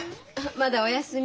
まだお休み。